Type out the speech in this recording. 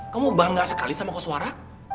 kamu bangga sekali sama kos suara